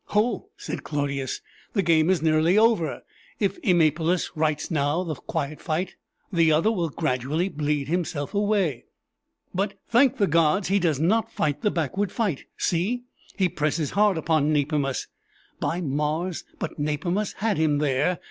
"Ho!" said Clodius, "the game is nearly over. If Eumolpus rights now the quiet fight, the other will gradually bleed himself away." "But, thank the gods! he does not fight the backward fight. See! he presses hard upon Nepimus. By Mars! but Nepimus had him there!